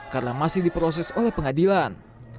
karena masih diproses oleh pengadilan